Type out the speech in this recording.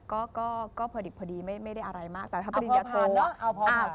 ก็พอดีไม่ได้อะไรมากเอาพอผ่านเนอะ